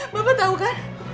bapak tau kan